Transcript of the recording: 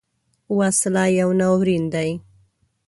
وسله یو ناورین دی